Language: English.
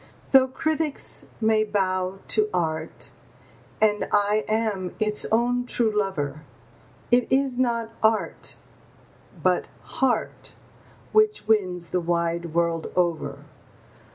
Though critics may bow to art, and I am its own true lover, It is not art, but heart, which wins the wide world over.